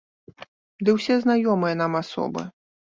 Ды ўсе знаёмыя нам асобы.